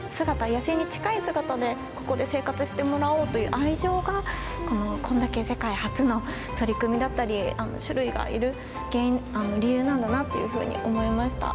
野生に近い姿でここで生活してもらおうという愛情がこれだけ世界初の取り組みだったり種類がいる理由なんだなというふうに思いました。